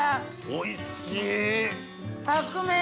おいしい！